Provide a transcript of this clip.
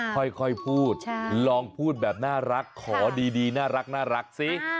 ค่อยพูดลองพูดแบบน่ารักขอดีน่ารักสิ